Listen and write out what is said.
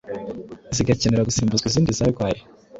zigakenera gusimbuzwa izindi zarwaye.